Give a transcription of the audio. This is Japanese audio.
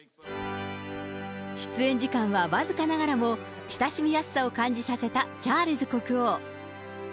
出演時間は僅かながらも、親しみやすさを感じさせたチャールズ国王。